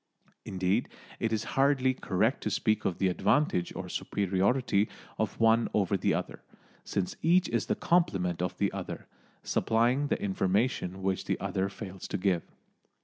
Indeed it is hardly correct to speak of the advantage or superiority of one over the other, since each is the complement of the other, supplying the information which the other fails to give.